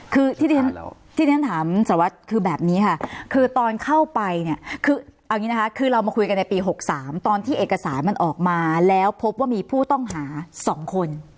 คือที่ฉันถามสารวัตรคือแบบนี้ค่ะคือตอนเข้าไปเนี่ยคือเอาอย่างนี้นะคะคือเรามาคุยกันในปี๖๓ตอนที่เอกสารมันออกมาแล้วพบว่ามีผู้ต้องหา๒คน